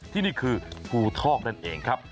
ที่นี่คือภูทอกนั่นเองครับ